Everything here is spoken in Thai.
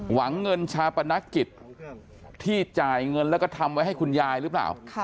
หวังเงินชาปนกิจที่จ่ายเงินแล้วก็ทำไว้ให้คุณยายหรือเปล่า